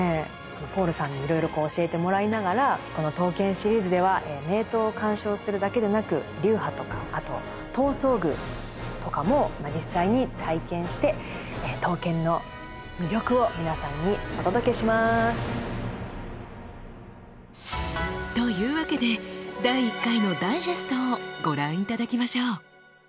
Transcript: ポールさんにいろいろ教えてもらいながらこの刀剣シリーズでは名刀を鑑賞するだけでなく流派とかあと刀装具とかも実際に体験して刀剣の魅力を皆さんにお届けします。というわけで第１回のダイジェストをご覧頂きましょう。